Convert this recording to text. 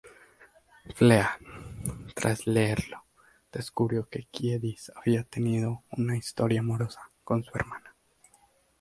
Flea, tras leerlo, descubrió que Kiedis había tenido una historia amorosa con su hermana.